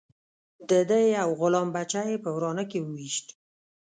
د ده یو غلام بچه یې په ورانه کې وويشت.